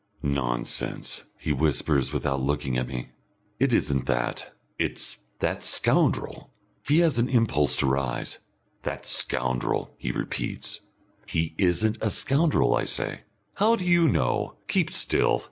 "Nonsense," he whispers, without looking at me. "It isn't that. It's that scoundrel " He has an impulse to rise. "That scoundrel," he repeats. "He isn't a scoundrel," I say. "How do you know? Keep still!